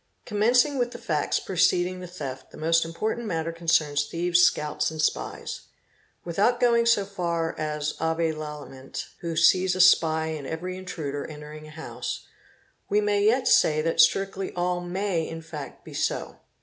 Commencing with the facts preceding the theft the most important matter concerns thieves' scouts and spies. Without going so far as Avé Lallemant who sees a spy in every intruder entering a house, we | may yet say that strictly all may in fact be so.